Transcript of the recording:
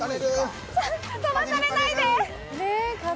飛ばされないでー。